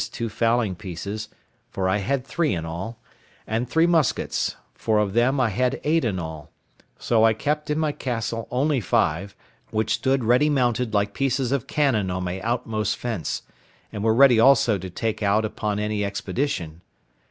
two fowling pieces—for I had three in all—and three muskets—for of them I had eight in all; so I kept in my castle only five, which stood ready mounted like pieces of cannon on my outmost fence, and were ready also to take out upon any expedition.